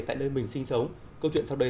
tại nơi mình sinh sống câu chuyện sau đây